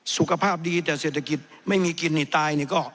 สุขภาพดีแต่เศรษฐกิจไม่มีกินนี่ตายนี่ก็